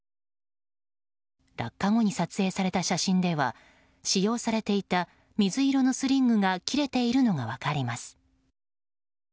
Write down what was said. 落下後に撮影された写真では使用されていた水色のスリングが切れているのが分かります。